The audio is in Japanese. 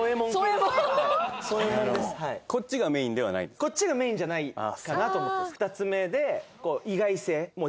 こっちがメインじゃないかなと思ってます。